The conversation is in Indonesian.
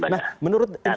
nah menurut informasi